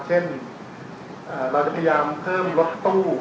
เช่นเราจะพยายามเพิ่มรถตู้